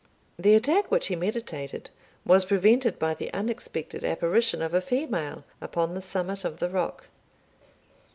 The attack which he meditated was prevented by the unexpected apparition of a female upon the summit of the rock.